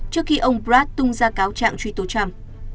trước khi ông prat tung ra cáo trạng truy tố trump